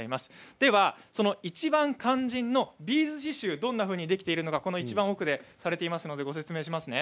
ではいちばん肝心のビーズ刺しゅうどんなふうにできているのかいちばん奥でされているのでご説明しますね。